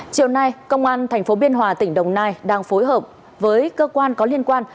chiều nay công an tp biên hòa tỉnh đồng nai đang phối hợp với cơ quan có liên quan